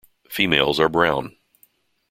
Females are brown.